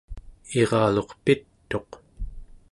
iraluq pit'uq